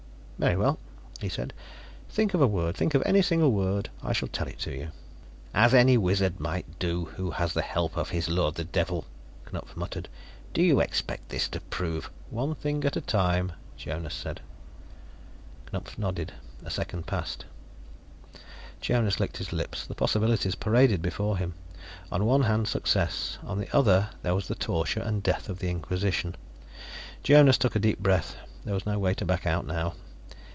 "Very well," he said. "Think of a word. Think of any single word. I shall tell it to you." "As any wizard might do, who had the help of his lord the Devil," Knupf muttered. "Do you expect this to prove " "One thing at a time," Jonas said. Knupf nodded. A second passed. Jonas licked his lips. The possibilities paraded before him; on one hand, success. On the other there was the torture and death of the Inquisition. Jonas took a deep breath; there was no way to back out now.